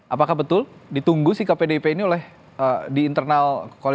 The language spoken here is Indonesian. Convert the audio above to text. apakah betul ditunggu sikap pdip ini oleh di internal